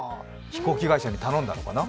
飛行機会社に頼んだのかな。